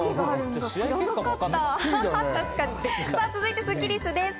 さぁ続いてスッキりすです。